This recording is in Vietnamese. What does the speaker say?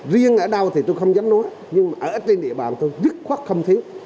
riêng ở đâu thì tôi không dám nói nhưng ở trên địa bàn tôi nhất khoắc không thiếu